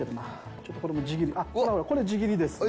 ちょっと、これ自切ほらほら、これ自切ですね。